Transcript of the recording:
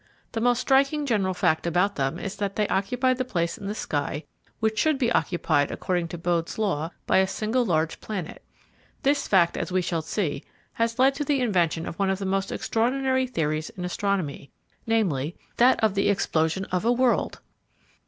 The most striking general fact about them is that they occupy the place in the sky which should be occupied, according to Bode's Law, by a single large planet. This fact, as we shall see, has led to the invention of one of the most extraordinary theories in astronomy—viz., that of the explosion of a world!